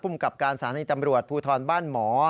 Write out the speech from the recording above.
พุ่มกับการสาธารณีตำรวจภูทรบ้านหมอ